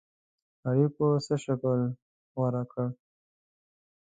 اړېکو څه شکل غوره کړ.